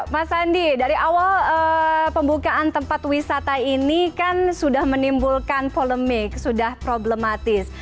mas andi dari awal pembukaan tempat wisata ini kan sudah menimbulkan polemik sudah problematis